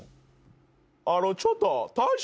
「あのちょっと大将」